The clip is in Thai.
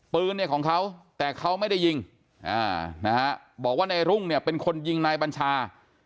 ปืนเนี่ยของเขาแต่เขาไม่ได้ยิงบอกว่านายรุ่งเนี่ยเป็นคนยิงนายบัญชา